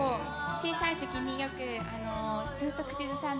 小さいときによく、へー。